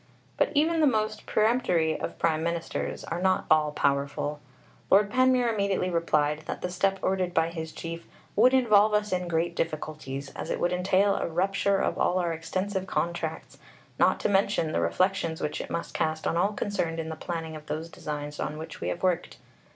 But even the most peremptory of Prime Ministers are not all powerful. Lord Panmure immediately replied that the step ordered by his Chief "would involve us in great difficulties, as it would entail a rupture of all our extensive contracts, not to mention the reflections which it must cast on all concerned in the planning of those designs on which we have worked....